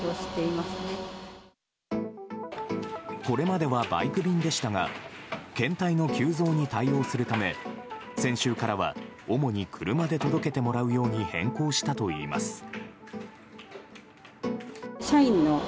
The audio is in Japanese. これまではバイク便でしたが検体の急増に対応するため先週からは主に車で届けてもらうように変更したといいます。